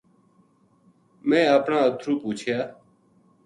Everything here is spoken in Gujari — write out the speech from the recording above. میں اپنا انتھرو پوچھیا